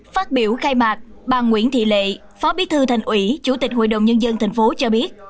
phát biểu khai mạc bà nguyễn thị lệ phó bí thư thành ủy chủ tịch hội đồng nhân dân tp cho biết